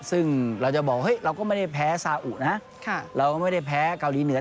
ซึ่งเราจะบอกว่าเราก็ไม่ได้แพ้ซาอุนะเราก็ไม่ได้แพ้เกาหลีเหนือ